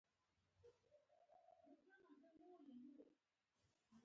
هسې مو هم شمېر ډېر دی، د ترپ او خرپ پر جګړې غښتلي يو.